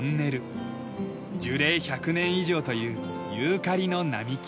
樹齢１００年以上というユーカリの並木。